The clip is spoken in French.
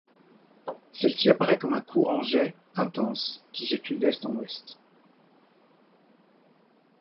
Celle-ci apparaît comme un courant-jet intense qui circule d'est en ouest.